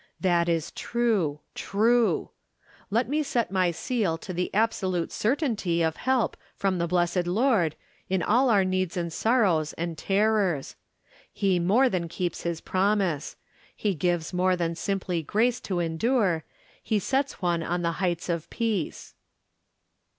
That is true, true. Let me set my seal to the absolute certainty of help from the blessed Lord, in all our needs and sorrows and terrors. He more than keeps his promise ; he gives more than simply grace to endure ; he sets one on the heights of peace.